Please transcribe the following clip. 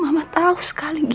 bapak tahu sayang